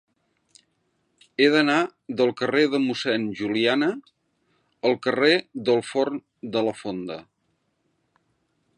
He d'anar del carrer de Mossèn Juliana al carrer del Forn de la Fonda.